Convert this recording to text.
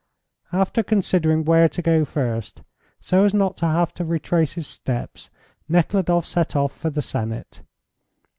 After considering where to go first, so as not to have to retrace his steps, Nekhludoff set off for the Senate.